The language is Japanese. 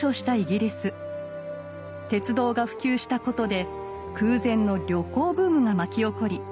鉄道が普及したことで空前の旅行ブームが巻き起こり